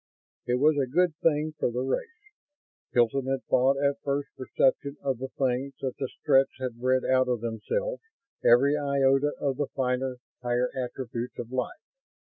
It was a good thing for the race, Hilton had thought at first perception of the things, that the Stretts had bred out of themselves every iota of the finer, higher attributes of life.